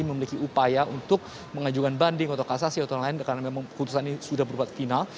memiliki upaya untuk mengajukan banding atau kasasi atau lain karena memang keputusan ini sudah berbuat final